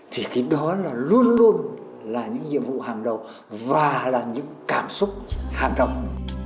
thì cái đó là luôn luôn là những nhiệm vụ hàng đầu và là những cảm xúc hàng đầu